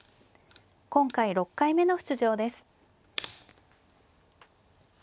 今回６回目の出場です。